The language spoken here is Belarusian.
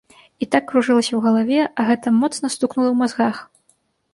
І так кружылася ў галаве, а гэта моцна стукнула ў мазгах.